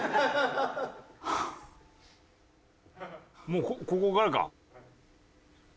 もうここからか。